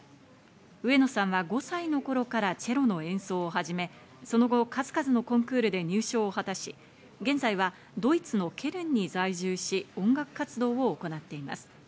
上野さんは５歳の頃からチェロの演奏を始め、その後、数々のコンクールで入賞を果たし、現在はドイツのケルンに在住し、音楽活動を行っています。